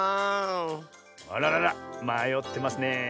あらららまよってますねえ。